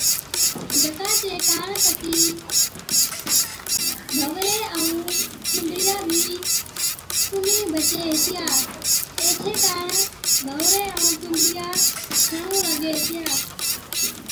جڪا چي ڪاڻ ڪتِي ڀَنوري ائُون پنبڙِيان بِي ڪونهِي بچي هِتي، ايڇي ڪاڻ ڀَنوري ائُون پمبڙِيا ڇَڻُون لاگي هِتِيا۔